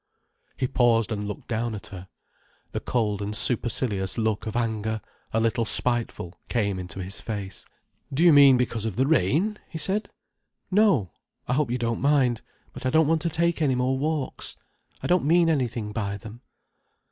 He paused and looked down at her. The cold and supercilious look of anger, a little spiteful, came into his face. "Do you mean because of the rain?" he said. "No. I hope you don't mind. But I don't want to take any more walks. I don't mean anything by them."